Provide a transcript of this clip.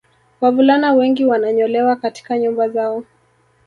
Wavulana wengi wananyolewa katika nyumba zao